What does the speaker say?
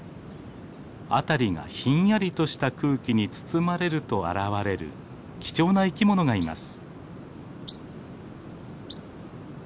辺りがひんやりとした空気に包まれると現れる貴重な生き物がいます。